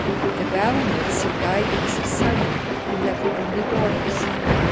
The baronetcy died with his son, who left only daughters.